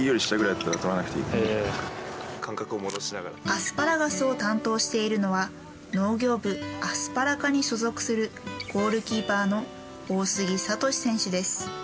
アスパラガスを担当しているのは農業部アスパラ課に所属するゴールキーパーの大杉啓選手です。